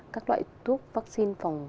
các loại thuốc vaccine phòng